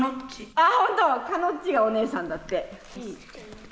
ああほんとかのっちがお姉さんだって。